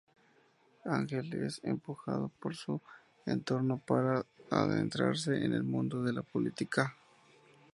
Ángel es empujado por su entorno para adentrarse en el mundo de la política.